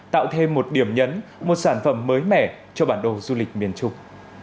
tạo thêm một điểm nhấn một sản phẩm mới mẻ cho bản đồ du lịch miền trung